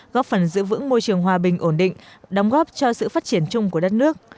góp phần giữ vững môi trường hòa bình ổn định đóng góp cho sự phát triển chung của đất nước